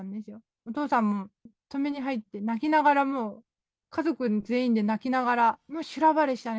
お父さんも止めに入って、泣きながらもう、家族全員で泣きながら、もう修羅場でしたね。